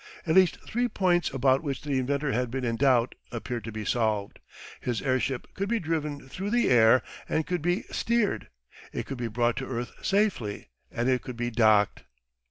At least three points about which the inventor had been in doubt appeared to be solved his airship could be driven through the air and could be steered; it could be brought to earth safely; and it could be docked.